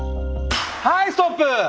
はいストップ！